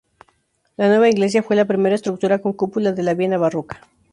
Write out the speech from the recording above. La nueva iglesia fue la primera estructura con cúpula de la Viena barroca.